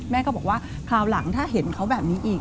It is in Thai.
ก็บอกว่าคราวหลังถ้าเห็นเขาแบบนี้อีก